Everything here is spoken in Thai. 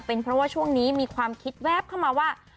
เป็นเพราะว่าช่วงนี้มีความคิดแวบเข้ามาว่า